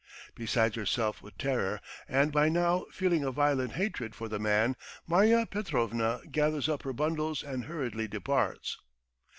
Beside herself with terror, and by now feeling a violent hatred for the man, Marya Petrovna gathers up her bundles and hurriedly departs.